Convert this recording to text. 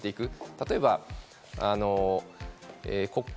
例えば国会